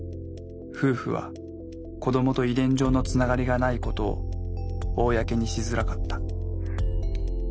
夫婦は子どもと遺伝上のつながりがないことを公にしづらかった。